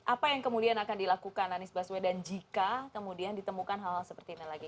apa yang kemudian akan dilakukan anies baswedan jika kemudian ditemukan hal hal seperti ini lagi